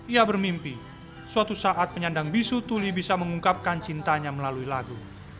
ia bermimpi suatu saat penyandang bisu tuli bisa mengungkapkan cintanya melalui lagu